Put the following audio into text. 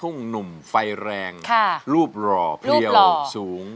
ลูกทุ่งหนุ่มไฟแรงรูปหล่อเพลวสูง